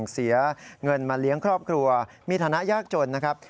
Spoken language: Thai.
เสียเงินมาเลี้ยงครอบครัวมีฐานะยากจนนะครับ